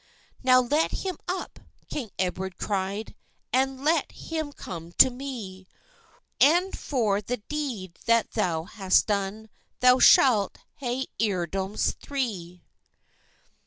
"Now let him up," king Edward cried, "And let him come to me; And for the deed that thou hast done, Thou shalt ha'e earldomes three!"